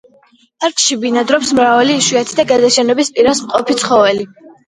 პარკში ბინადრობს მრავალი იშვიათი და გადაშენების პირას მყოფი ცხოველი.